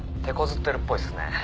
てこずってるっぽいっすね。